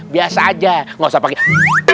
biasa aja nggak usah panggil